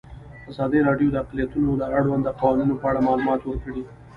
ازادي راډیو د اقلیتونه د اړونده قوانینو په اړه معلومات ورکړي.